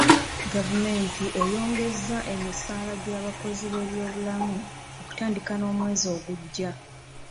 Gavumenti eyongezza emisaala gy'abakozi b'ebyobulamu okutandika n'omwezi ogujja.